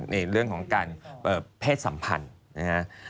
ในเรื่องของการเพศสัมพันธ์นะฮะ